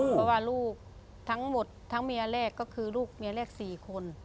เพราะว่าลูกทั้งหมดทั้งเมียแรกก็คือลูกเมียแรก๔คน